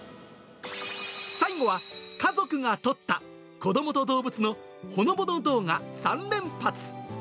最後は、家族が撮った子どもと動物のほのぼの動画３連発！